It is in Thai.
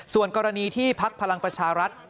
ส่วนกรณีที่พักพลังประชารัฐ